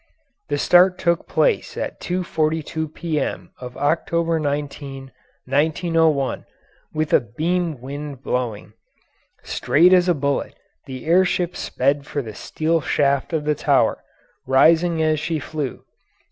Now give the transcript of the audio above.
The start took place at 2:42 P.M. of October 19, 1901, with a beam wind blowing. Straight as a bullet the air ship sped for the steel shaft of the tower, rising as she flew.